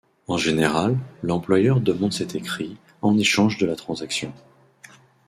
En général, l'employeur demande cet écrit, en échange de la transaction.